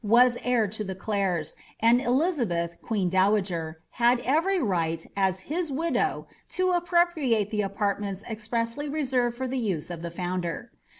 was heir to the Clares, and Elizabeth, queen dowager, had every right, as his widow, to appropriate the apartments expressly reserved for the use of the founder.'